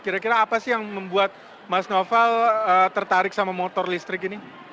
kira kira apa sih yang membuat mas noval tertarik sama motor listrik ini